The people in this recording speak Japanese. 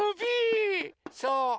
そう！